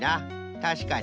たしかに。